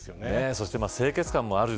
そして清潔感もある。